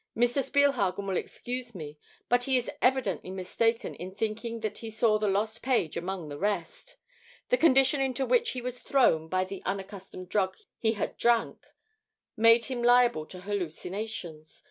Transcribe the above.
Mr. Spielhagen will excuse me, but he is evidently mistaken in thinking that he saw the lost page among the rest. The condition into which he was thrown by the unaccustomed drug he had drank, made him liable to hallucinations.